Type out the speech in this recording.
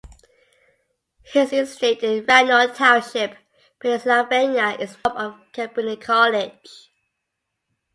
His estate in Radnor Township, Pennsylvania is now the home of Cabrini College.